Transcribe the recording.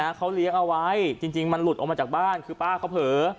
เขาเลี้ยงเอาไว้จริงจริงมันหลุดออกมาจากบ้านคือป้าเขาเผลอ